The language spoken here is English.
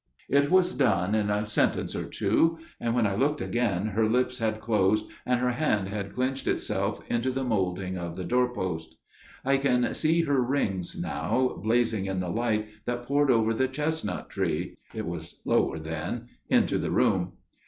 "It was done in a sentence or two, and when I looked again her lips had closed and her hand had clenched itself into the moulding of the doorpost. I can see her rings now blazing in the light that poured over the chestnut tree (it was lower then) into the room.